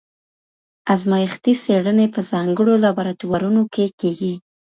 ازمایښتي څېړني په ځانګړو لابراتوارونو کي کيږي.